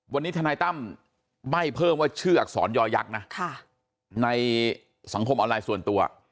วันนี้ทนายตั้มใบ้เพิ่มว่าชื่ออักษรยอยักษ์นะในสังคมออนไลน์ส่วนตัว